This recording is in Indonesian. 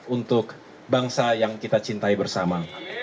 untuk bangsa yang kita cintai bersama